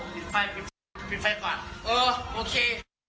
ปิดไฟปิดไฟปิดไฟก่อนเออโอเค